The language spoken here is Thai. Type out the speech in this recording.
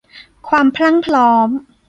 ความพรั่งพร้อม